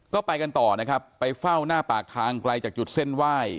ก็ไปกันต่อนะครับไปเฝ้าหน้าปากทางไกลจากจุดเส้นไหว้